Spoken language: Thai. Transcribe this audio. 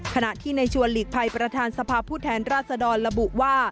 ขณะที่ในชวนหลีกภัยประธานสภาพผู้แทนราชดรระบุว่า